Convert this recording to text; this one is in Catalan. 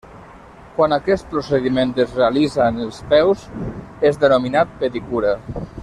Quan aquest procediment es realitza en els peus, és denominat pedicura.